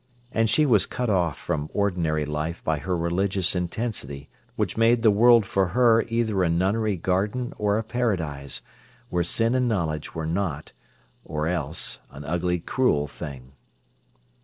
And she was cut off from ordinary life by her religious intensity which made the world for her either a nunnery garden or a paradise, where sin and knowledge were not, or else an ugly, cruel thing.